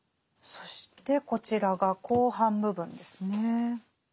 そしてこちらが後半部分ですね。